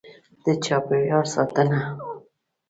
. د چاپېریال ساتنه: